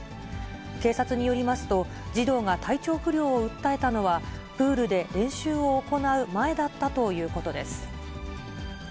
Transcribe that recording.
警察によりますと、児童が体調不良を訴えたのは、プールで練習を行う前だったということです。